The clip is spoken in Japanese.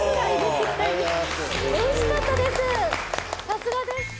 さすがです。